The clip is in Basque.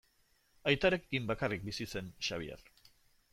Aitarekin bakarrik bizi zen Xabier.